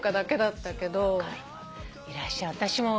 いらっしゃる。